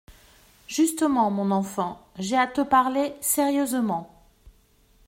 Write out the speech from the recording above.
Justement, mon enfant, j’ai à te parler sérieusement !